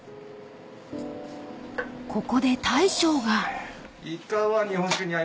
［ここで大将が］あれ？